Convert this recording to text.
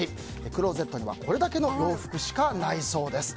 クローゼットにはこれだけの洋服しかないそうです。